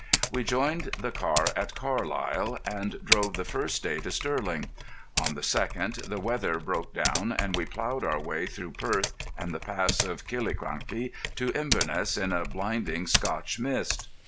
We joined the car at Carlisle, and drove the first day to Stirling. On the second the weather broke down, and we ploughed our way through Perth and the Pass of Killiecrankie to Inverness in a blinding Scotch mist.